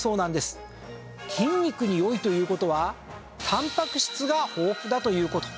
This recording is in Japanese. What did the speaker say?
筋肉に良いという事はたんぱく質が豊富だという事。